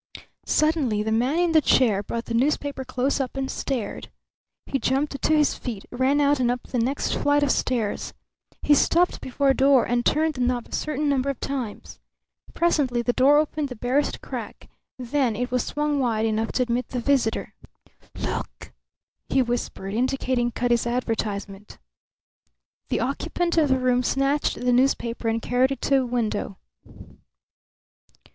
Suddenly the man in the chair brought the newspaper close up and stared. He jumped to his feet, ran out and up the next flight of stairs. He stopped before a door and turned the knob a certain number of times. Presently the door opened the barest crack; then it was swung wide enough to admit the visitor. "Look!" he whispered, indicating Cutty's advertisement. The occupant of the room snatched the newspaper and carried it to a window.